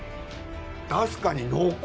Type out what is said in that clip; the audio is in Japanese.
確かに濃厚。